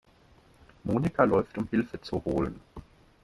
Monica läuft, um Hilfe zu holen.